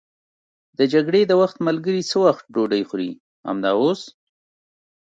د جګړې د وخت ملګري څه وخت ډوډۍ خوري؟ همدا اوس.